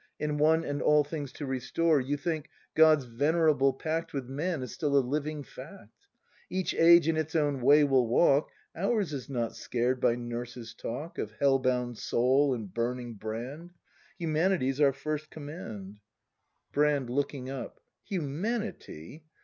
In one and all things to restore. You think, God's venerable pact With man is still a living fact; — Each Age in its own way will walk; Ours is not scared by nurses' talk Of hell bound soul and burning brand; — Humanity's our first command! 138 BRAND [act hi Brand. [Looking up.] Humanity!